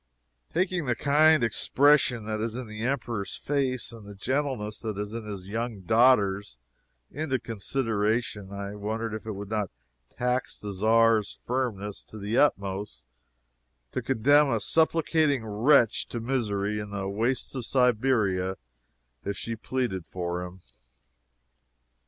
Taking the kind expression that is in the Emperor's face and the gentleness that is in his young daughter's into consideration, I wondered if it would not tax the Czar's firmness to the utmost to condemn a supplicating wretch to misery in the wastes of Siberia if she pleaded for him.